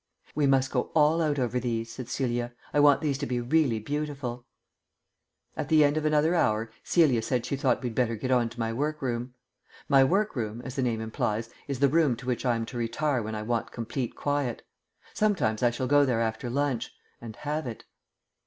"We must go all out over these," said Celia; "I want these to be really beautiful." At the end of another hour Celia said she thought we'd better get on to my workroom. My workroom, as the name implies, is the room to which I am to retire when I want complete quiet. Sometimes I shall go there after lunch ... and have it.